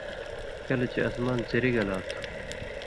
کلہۡ چے اسمان څِری گلا تُھو،